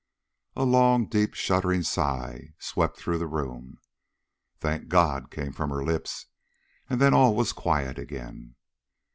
A long, deep, shuddering sigh swept through the room. "Thank God!" came from her lips, and then all was quiet again.